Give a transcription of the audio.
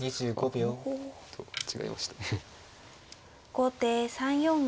後手３四銀。